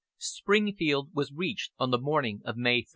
Springfield was reached on the morning of May 3.